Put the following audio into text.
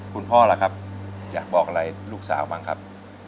พ่อล่ะครับอยากบอกอะไรลูกสาวบ้างครับ